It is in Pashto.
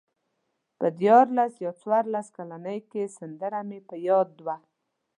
په دیارلس یا څوارلس کلنۍ کې سندره مې په یاد وه.